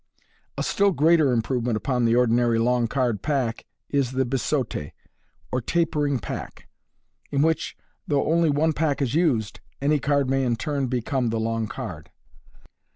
A still greater improvement upon the ordinary long card pack is the biseaute or tapering pack, in which, though only one pack is used, any card may in turn become the long card.